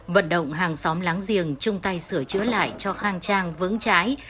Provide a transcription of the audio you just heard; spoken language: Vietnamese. vận động hàng xóm láng giềng chung tay sửa chữa lại cho khang trang vững trái